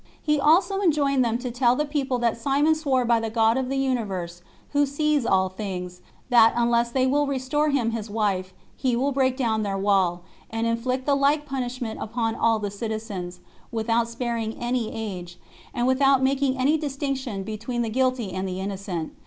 He also enjoined them to tell the people that Simon swore by the God of the universe, who sees all things, that unless they will restore him his wife, he will break down their wall, and inflict the like punishment upon all the citizens, without sparing any age, and without making any distinction between the guilty and the innocent.